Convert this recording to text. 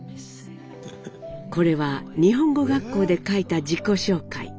これは日本語学校で書いた自己紹介。